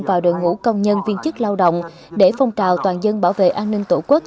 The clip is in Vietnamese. vào đội ngũ công nhân viên chức lao động để phong trào toàn dân bảo vệ an ninh tổ quốc